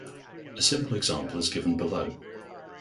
A simple example is given below.